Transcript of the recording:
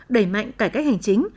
đẩy mạnh cải cách hành chính